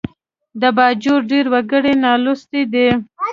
د باجوړ ډېر وګړي نالوستي دي